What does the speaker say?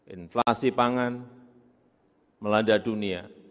inflasi pangan melanda dunia